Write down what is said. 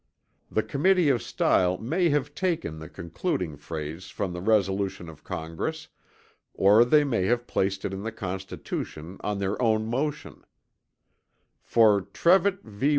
The Committee of Style may have taken the concluding phrase from the resolution of Congress or they may have placed it in the Constitution on their own motion; for Trevett v.